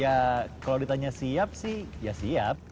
ya kalau ditanya siap sih ya siap